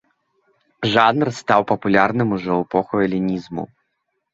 Жанр стаў папулярным ужо ў эпоху элінізму.